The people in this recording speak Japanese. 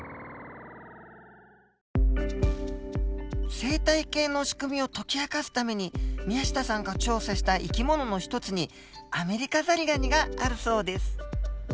生態系のしくみを解き明かすために宮下さんが調査した生き物の一つにアメリカザリガニがあるそうです。